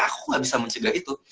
aku gak bisa mencegah itu